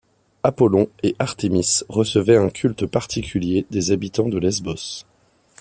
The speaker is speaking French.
Apollon et Artémis recevaient un culte particulier des habitants de Lesbos.